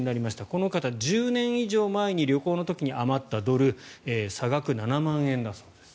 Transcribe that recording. この方、１０年以上前に旅行の時に余ったドル差額７万円だそうです。